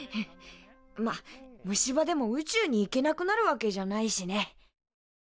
まあ虫歯でも宇宙に行けなくなるわけじゃないしね。